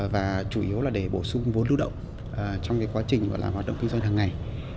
và chủ yếu là để bổ sung vốn lưu động trong quá trình hoạt động kinh doanh hàng ngày